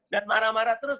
dan marah marah terus